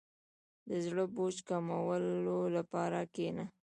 • د زړه بوج کمولو لپاره کښېنه.